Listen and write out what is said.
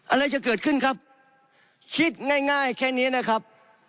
อะไรจะเกิดขึ้นครับคิดง่ายง่ายแค่นี้นะครับ